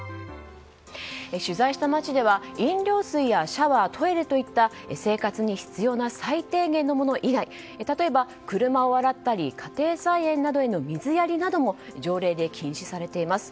取材した町では飲料水やシャワートイレといった生活に必要な最低限のもの以外例えば、車を洗ったり家庭菜園などへの水やりなども条例で禁止されています。